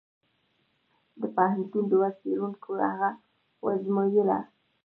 د پوهنتون دوو څېړونکو هغه وزمویله.